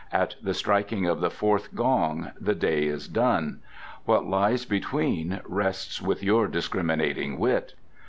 . At the striking of the fourth gong the day is done. What lies between rests with your discriminating wit."